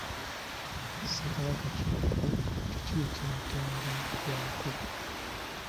Ssekabaka Kimbugwe kiki ekimutendebwako?